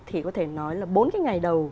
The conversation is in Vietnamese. thì có thể nói là bốn cái ngày đầu